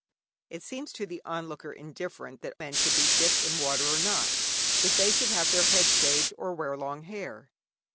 It seems to the onlooker indifferent that men should be dipped in water or not, that they should have their heads shaved or wear long hair.